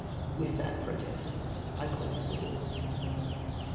With that protest I close the book.